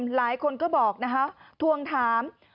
หลายคนก็บอกนะคะทวงถาม